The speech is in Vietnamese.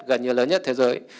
gần như lớn nhất thế giới